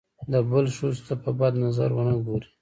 د بل ښځو ته په بد نظر ونه ګوري.